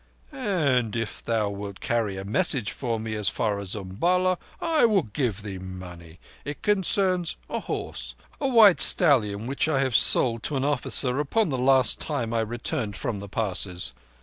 "And if thou wilt carry a message for me as far as Umballa, I will give thee money. It concerns a horse—a white stallion which I have sold to an officer upon the last time I returned from the Passes.